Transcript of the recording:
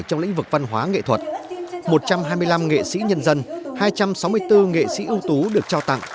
trong lĩnh vực văn hóa nghệ thuật một trăm hai mươi năm nghệ sĩ nhân dân hai trăm sáu mươi bốn nghệ sĩ ưu tú được trao tặng